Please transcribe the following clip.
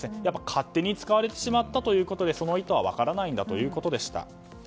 勝手に使われてしまったということで意図は分からないんだということでした。